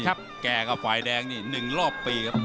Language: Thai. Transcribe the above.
แก่กับฝ่ายแดงนี่๑รอบปีครับ